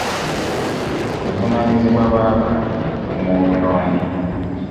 Buvunaanyizibwa bw'abantu okukuuma obutonde.